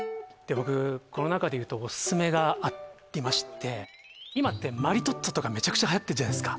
僕この中でいうとオススメがありまして今ってマリトッツォとかめちゃくちゃはやってるじゃないですか